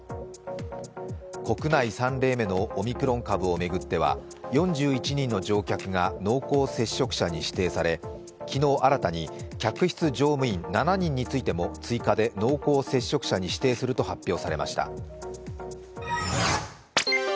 国内３例目のオミクロン株を巡っては、４１人の乗客が濃厚接触者に指定され昨日新たに客室乗務員７人についても、追加で濃厚接触者に指定すると発表がありました。